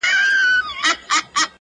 د لېوني د ژوند سُر پر یو تال نه راځي ـ